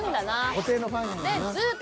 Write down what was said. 固定のファンやねんな。